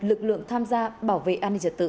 lực lượng tham gia bảo vệ an ninh trật tự